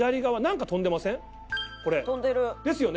飛んでる。ですよね？